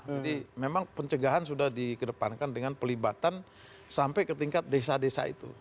jadi memang pencegahan sudah dikedepankan dengan pelibatan sampai ke tingkat desa desa itu